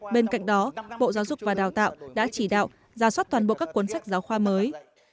bên cạnh đó bộ giáo dục và đào tạo đã chỉ đạo giả soát toàn bộ các cuốn sách giáo khoa mới